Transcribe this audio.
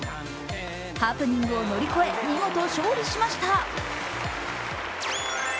ハプニングを乗り越え、見事勝利しました。